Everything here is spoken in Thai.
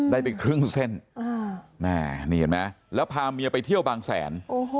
ได้ไปครึ่งเส้นแม่นี่เห็นไหมแล้วพาเมียไปเที่ยวบางแสน